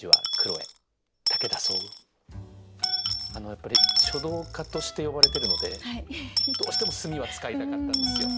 やっぱり書道家として呼ばれてるのでどうしても「墨」は使いたかったんですよ。